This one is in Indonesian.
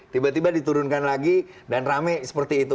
tiba tiba diturunkan lagi dan rame seperti itu